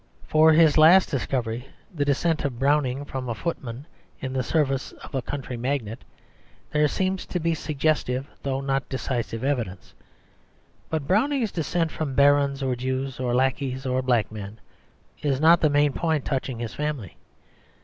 For his last discovery, the descent of Browning from a footman in the service of a country magnate, there seems to be suggestive, though not decisive evidence. But Browning's descent from barons, or Jews, or lackeys, or black men, is not the main point touching his family.